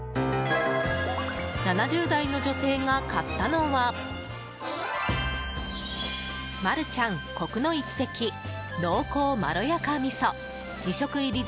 ７０代の女性が買ったのはマルちゃんコクの一滴濃厚まろやか味噌２